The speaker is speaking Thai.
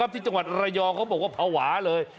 ที่จังหวัดระยองเขาบอกว่าภาวะเลย